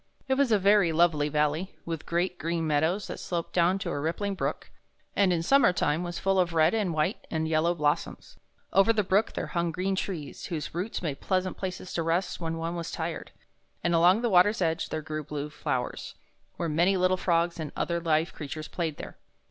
It was a very lovely valley, with great, green meadows that sloped down to a rippling brook, and in summer time were full of red and white and yellow blossoms. Over the brook there hung green trees, whose roots made pleasant places to rest when one 24 THE BOY WHO DISCOVERED THE SPRING was tired; and along the water's edge there grew blue flowers, while many little frogs and other live creatures played there.